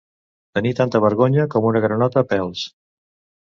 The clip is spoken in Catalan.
Tenir tanta vergonya com una granota pèls.